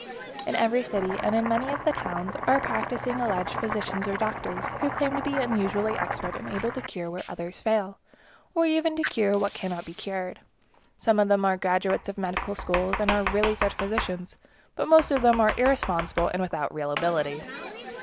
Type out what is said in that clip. In every city, and in many of the towns, are practicing alleged physicians or doctors, who claim to be unusually expert and able to cure where others fail, or even to cure what cannot be cured. Some of them are graduates of medical schools, and are really good physicians, but most of them are irresponsible and without real ability.